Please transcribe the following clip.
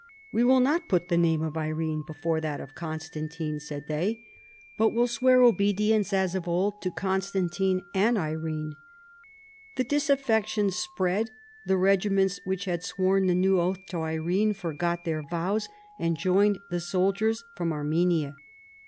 " We will not put the name of Irene before that of Constantine," said they, " but will swear obedience as of old to Con stantine and Irene." The disaffection spread ; the regiments which had sworn the new oath to Irene forgot their vows and joined the soldiers from Ar menia.